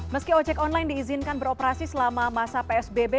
meski ojek online diizinkan beroperasi selama masa psbb